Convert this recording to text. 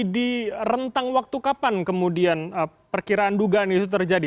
di rentang waktu kapan kemudian perkiraan dugaan itu terjadi